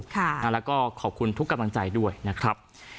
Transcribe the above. แล้วก็ขอบคุณทุกกำลังใจด้วยนะครับ